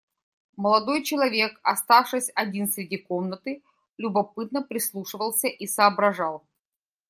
Молодой человек, оставшись один среди комнаты, любопытно прислушивался и соображал.